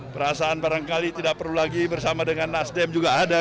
perasaan barangkali tidak perlu lagi bersama dengan nasdem juga ada